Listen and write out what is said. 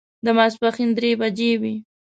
د ماسپښین درې بجې وې.